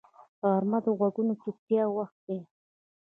غرمه د غږونو چوپتیا وخت وي